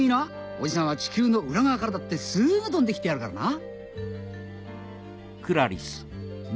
おじさんは地球の裏側からだってすぐ飛んできてやるからな。